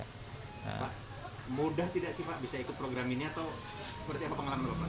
pak mudah tidak sih pak bisa ikut program ini atau seperti apa pengalaman bapak